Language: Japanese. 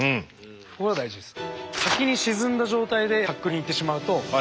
これが大事です。